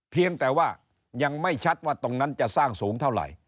เพียงแต่ว่ายังไม่ชัดว่าตรงนั้นจะสร้างสูงเท่าไหร่